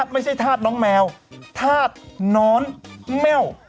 ไม่ใช่ทาสน้องแมวทาสนอนแมว